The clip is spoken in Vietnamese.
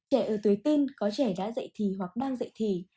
trẻ ở tuổi tin có trẻ đã dạy thì hoặc đang dạy thì